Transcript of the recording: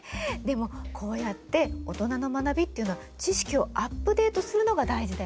でもこうやって大人の学びっていうのは知識をアップデートするのが大事だよね。